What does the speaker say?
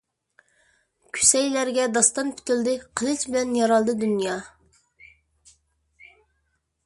كۈسەيلەرگە داستان پۈتۈلدى، قىلىچ بىلەن يارالدى دۇنيا.